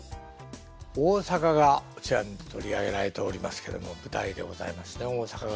大阪が「おちょやん」で取り上げられておりますけども舞台でございますね大阪が。